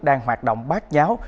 đang hoạt động bát nháo